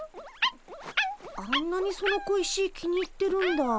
あんなにその小石気に入ってるんだ。